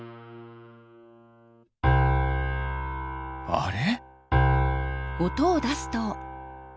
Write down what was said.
あれ？